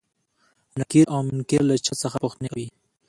نکير او منکر له چا څخه پوښتنې کوي؟